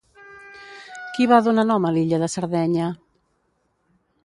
Qui va donar nom a l'illa de Sardenya?